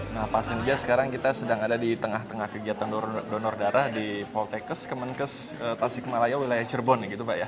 nah pak saninja sekarang kita sedang ada di tengah tengah kegiatan donor darah di poltekes kemenkes tasikmalaya wilayah cerbon